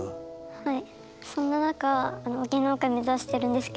はい。